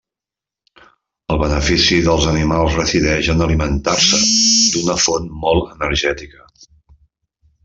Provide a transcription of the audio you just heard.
El benefici dels animals resideix en alimentar-se d'una font molt energètica.